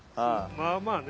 ・まあまあね？